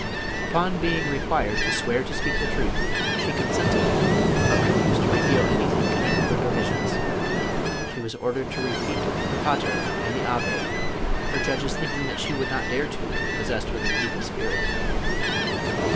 Upon being required to swear to speak the truth, she consented, but refused to reveal anything connect ed with her visions. She was ordered to repeat the Paler and the Ave, her judges thinking she would not dare to, if possessed with an evil spirit.